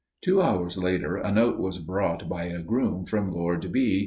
"Two hours later a note was brought by a groom from Lord B.